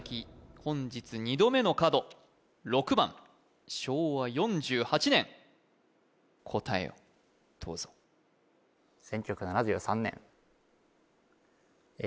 本日２度目の角６番昭和４８年答えをどうぞ１９７３年ええ